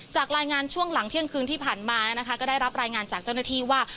จากรายงานช่วงหลังเที่ยงคืนที่ผ่านมานะคะก็ได้รับรายงานจากเจ้าหน้าที่ว่า